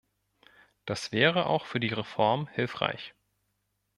Das wäre auch für die Reform hilfreich.